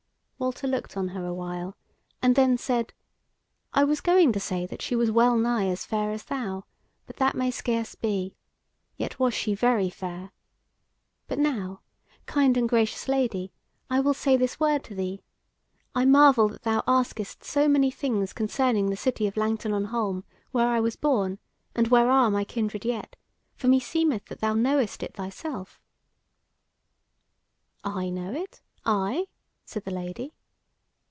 Walter looked on her a while, and then said: "I was going to say that she was wellnigh as fair as thou; but that may scarce be. Yet was she very fair. But now, kind and gracious Lady, I will say this word to thee: I marvel that thou askest so many things concerning the city of Langton on Holm, where I was born, and where are my kindred yet; for meseemeth that thou knowest it thyself." "I know it, I?" said the Lady.